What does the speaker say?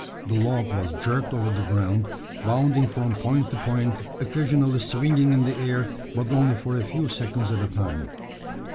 The log was jerked over the ground, bounding from point to point, occasionally swinging in the air, but only for a few seconds at a time.